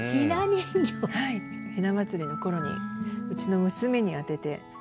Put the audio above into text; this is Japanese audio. ひな祭りの頃にうちの娘に宛てて。